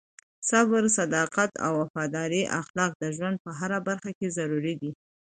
د صبر، صداقت او وفادارۍ اخلاق د ژوند په هره برخه کې ضروري دي.